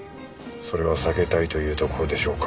それを避けたいというところでしょうか。